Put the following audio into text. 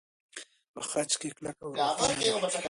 په خج کې کلکه او روښانه ده.